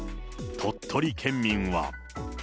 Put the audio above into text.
鳥取県民は。